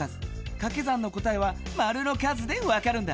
かけ算の答えはマルの数でわかるんだ。